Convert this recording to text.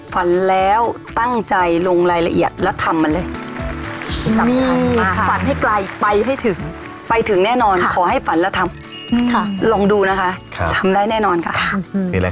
ฝันแล้วตั้งใจลงรายละเอียดแล้วทำมันเลย